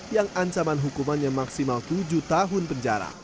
yang ancaman hukumannya maksimal tujuh tahun penjara